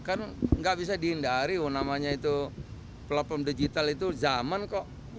kan nggak bisa dihindari namanya itu platform digital itu zaman kok